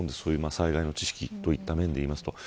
災害の知識といった面で言うと。